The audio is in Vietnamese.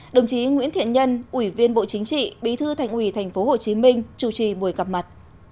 đồng chí nguyễn thiện nhân ủy viên bộ chính trị bí thư thành ủy tp hcm chủ trì buổi gặp mặt